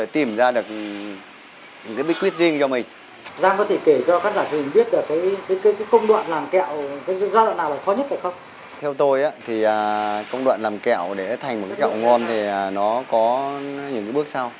theo tôi thì công đoạn làm kẹo để thành một cái kẹo ngon thì nó có những bước sau